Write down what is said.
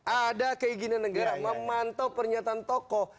ada keinginan negara memantau pernyataan tokoh